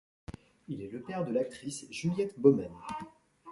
Il est le père de l'actrice Juliette Baumaine.